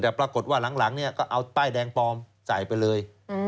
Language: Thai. แต่ปรากฏว่าหลังเนี่ยก็เอาป้ายแดงปลอมใส่ไปเลย